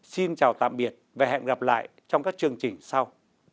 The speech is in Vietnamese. xin chào tạm biệt và hẹn gặp lại trong các chương trình sau